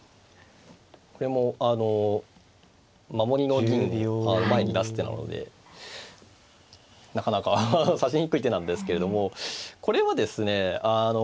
これも守りの銀を前に出す手なのでなかなか指しにくい手なんですけれどもこれはですね